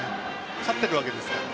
勝っているわけですから。